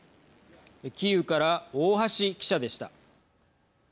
キーウから大橋記者でした。